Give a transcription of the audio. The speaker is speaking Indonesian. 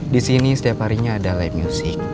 disini setiap harinya ada live music